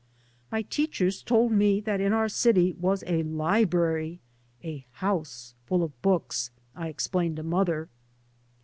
My teachers told me that in our city was a library, a " house full of books," I ex claimed to mother.